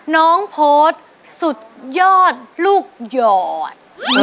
น้องโพสต์สุดยอดลูกหยอด